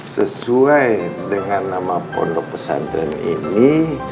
sesuai dengan nama pondok pesantren ini